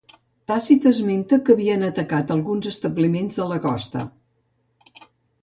Tàcit esmenta que havien atacat alguns establiments de la costa.